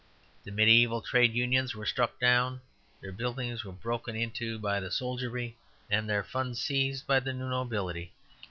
The mediæval Trade Unions were struck down, their buildings broken into by the soldiery, and their funds seized by the new nobility.